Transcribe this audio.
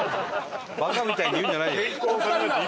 バカみたいに言うんじゃないよ。